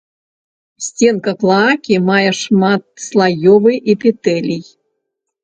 Сценка клаакі мае шматслаёвы эпітэлій.